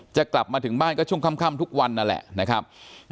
จะกลับมาถึงบ้านก็ช่วงค่ำทุกวันนั่นแหละนะครับ